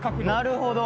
なるほど。